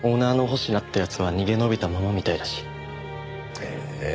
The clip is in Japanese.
へえ。